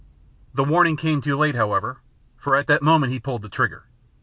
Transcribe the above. The warning came too late, however, for at that moment he pulled the trigger.